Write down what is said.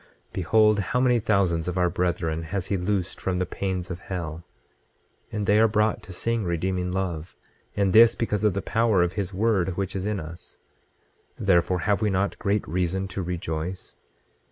26:13 Behold, how many thousands of our brethren has he loosed from the pains of hell; and they are brought to sing redeeming love, and this because of the power of his word which is in us, therefore have we not great reason to rejoice?